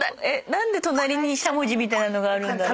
何で隣にしゃもじみたいなのがあるんだろう？